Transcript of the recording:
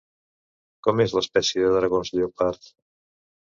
Com és l'espècie de dragons lleopard?